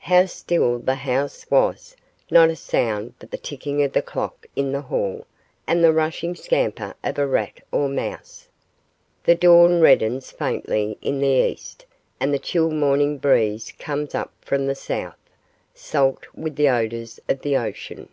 How still the house was: not a sound but the ticking of the clock in the hall and the rushing scamper of a rat or mouse. The dawn reddens faintly in the east and the chill morning breeze comes up from the south, salt with the odours of the ocean.